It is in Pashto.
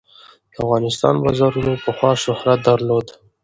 د افغانستان بازارونو پخوا شهرت درلود.